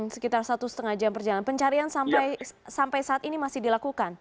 sekitar satu lima jam perjalanan pencarian sampai saat ini masih dilakukan